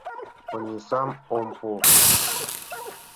Онисам ом пу.